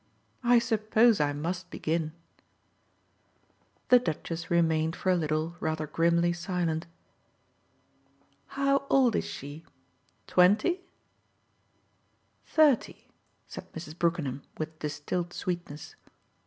"I suppose I must begin!" The Duchess remained for a little rather grimly silent. "How old is she twenty?" "Thirty!" said Mrs. Brookenham with distilled sweetness.